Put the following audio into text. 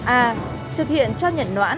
a thực hiện cho nhận noãn